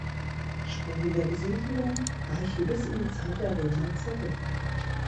Spuren der Besiedelung reichen bis in die Zeit der Römer zurück.